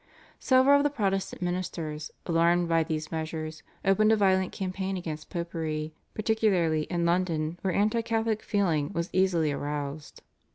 Several of the Protestant ministers, alarmed by these measures, opened a violent campaign against Popery, particularly in London where anti Catholic feeling was easily aroused.